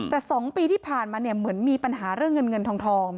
แต่๒ปีที่ผ่านมาเหมือนมีปัญหาเรื่องเงินทอง